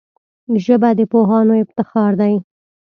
ژبه د پوهانو افتخار دی